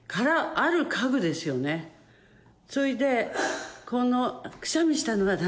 それでこの。